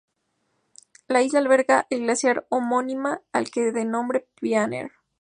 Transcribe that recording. La isla alberga el glaciar homónima, al que da nombre, Pioneer.